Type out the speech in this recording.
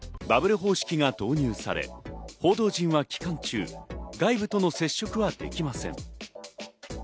バブル方式が導入され、報道陣は期間中、外部との接触はできません。